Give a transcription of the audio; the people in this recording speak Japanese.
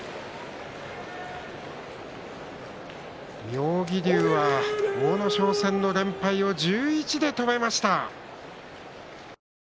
妙義龍は阿武咲戦の連敗を１１で止めました。